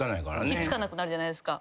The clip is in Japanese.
ひっつかなくなるじゃないですか。